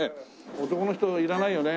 男の人いらないよね？